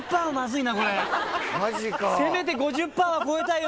せめて５０％は超えたいよ